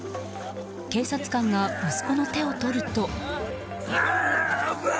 警察官が息子の手を取ると。